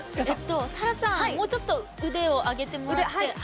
紗蘭さん、もうちょっと腕を上てもらって。